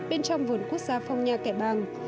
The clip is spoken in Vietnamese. bên trong vườn quốc gia phong nha kẻ bàng